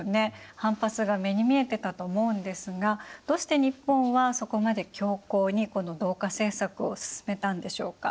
反発が目に見えてたと思うんですがどうして日本はそこまで強硬にこの同化政策を進めたんでしょうか？